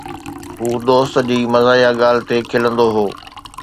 هو دوست جي مزاحيه ڳالهه تي کلندو هو